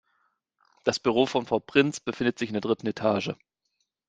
Das Büro von Frau Prinz befindet sich in der dritten Etage.